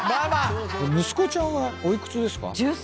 息子ちゃんはお幾つですか？